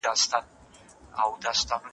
هغه په بې باکۍ سره مخ په وړاندې ځي.